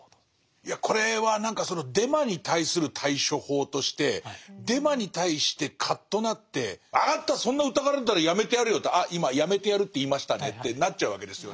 いやこれは何かそのデマに対する対処法としてデマに対してカッとなって「分かったそんな疑われるんだったらやめてやるよ」って「あ今やめてやるって言いましたね」ってなっちゃうわけですよね。